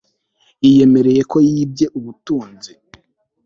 yiyemereye ko yibye ubutunzi